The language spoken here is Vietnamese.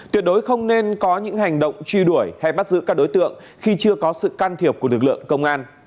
tuyệt đối không nên có những hành động truy đuổi hay bắt giữ các đối tượng khi chưa có sự can thiệp của lực lượng công an